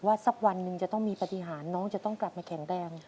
สักวันหนึ่งจะต้องมีปฏิหารน้องจะต้องกลับมาแข็งแรง